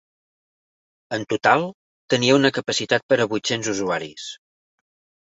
En total, tenia una capacitat per a vuit-cents usuaris.